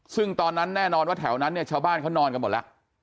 ซึ่งตอนนั้นแน่นอนว่าแถวนั้นเนี่ยชาวบ้านเขานอนกันหมดแล้ว